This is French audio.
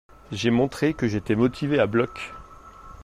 J'ai montré que j’étais motivé à bloc.